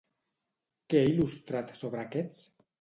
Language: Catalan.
Què ha il·lustrat sobre aquests?